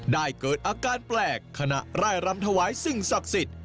ได้เกิดอาการแปลกขณะไร้รำถวายสิ่งศักดิ์ศิลป์